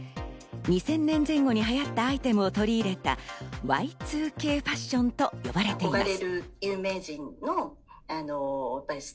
２０００年前後に流行ったアイテムを取り入れたＹ２Ｋファッションと呼ばれています。